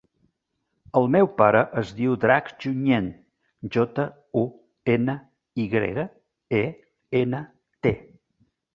El meu pare es diu Drac Junyent: jota, u, ena, i grega, e, ena, te.